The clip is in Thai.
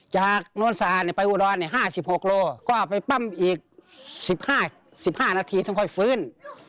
จากโรสารนี้ไปอุดร๕๖โรก็ไปปั้มอีก๑๕นาทีต้องค่อยฟื้น